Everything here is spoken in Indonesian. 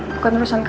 bukan urusan kamu